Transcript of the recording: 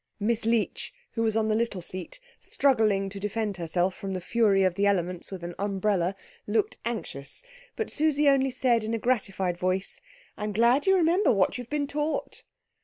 Miss Leech, who was on the little seat, struggling to defend herself from the fury of the elements with an umbrella, looked anxious, but Susie only said in a gratified voice, "I'm glad you remember what you've been taught."